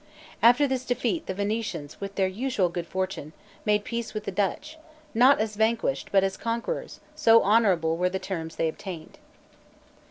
After this defeat, the Venetians, with their usual good fortune, made peace with the Dutch, not as vanquished, but as conquerors, so honorable were the terms they obtained.